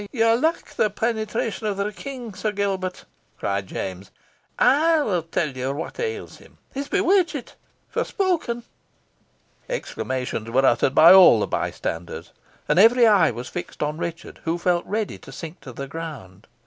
"You lack the penetration of the King, Sir Gilbert," cried James. "I will tell you what ails him. He is bewitchit forespoken." Exclamations were uttered by all the bystanders, and every eye was fixed on Richard, who felt ready to sink to the ground.